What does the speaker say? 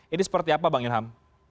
ini seperti apa bang ilham